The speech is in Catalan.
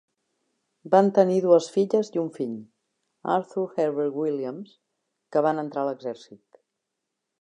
Van tenir dues filles i un fill, Arthur Herbert Williams, que van entrar a l'exèrcit.